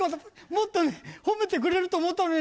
もっと褒めてくれてると思ったのにね。